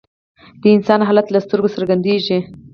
د انسان حالت له سترګو څرګندیږي